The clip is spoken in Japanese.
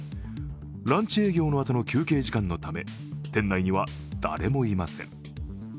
ランチ営業のあとの休憩時間のため店内には誰もいません。